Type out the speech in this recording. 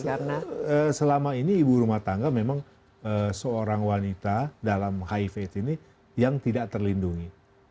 karena selama ini ibu rumah tangga memang seorang wanita dalam hiv ini yang tidak terlindungi